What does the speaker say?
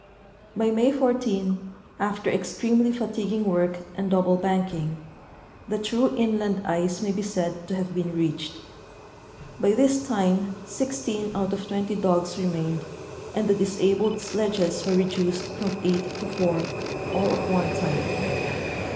By May 14, after extremely fatiguing work and double banking, the true inland ice may be said to have been reached. By this time 16 out of 20 dogs remained and the disabled sledges were reduced from eight to four, all of one t3q)e.